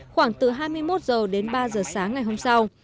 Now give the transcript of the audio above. khoảng từ hai mươi một h đến ba h sáng ngày hôm sau